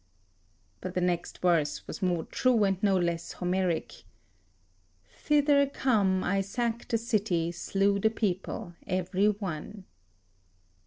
ix, 39] But the next verse was more true, and no less Homeric: "Thither come, I sacked a city, slew the people every one."